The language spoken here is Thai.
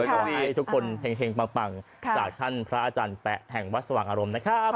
ขอให้ทุกคนเห็งปังจากท่านพระอาจารย์แปะแห่งวัดสว่างอารมณ์นะครับ